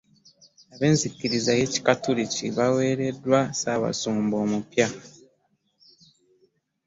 Abenzirikiriza y'ekikatoliki bawereddwa Ssabasumba omupya.